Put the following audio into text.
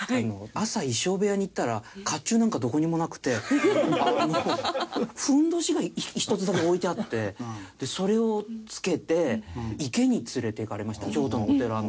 朝衣装部屋に行ったら甲冑なんかどこにもなくてふんどしが一つだけ置いてあってそれを着けて池に連れていかれまして京都のお寺の。